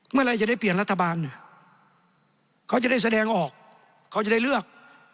อะไรจะได้เปลี่ยนรัฐบาลเขาจะได้แสดงออกเขาจะได้เลือก